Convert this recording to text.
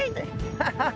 「ハハハ！」。